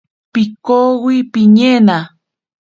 Pikowi piñena.